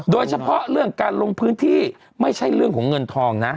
โดยเฉพาะเรื่องการลงพื้นที่ไม่ใช่เรื่องของเงินทองนะ